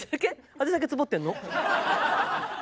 私だけツボってんの？